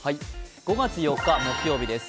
５月４日木曜日です。